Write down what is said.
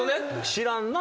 知らんな。